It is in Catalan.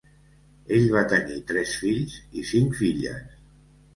Ell va tenir tres fills i cinc filles.